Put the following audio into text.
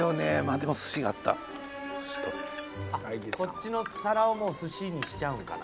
こっちの皿をもう寿司にしちゃうんかな？